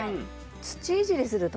土いじりするとね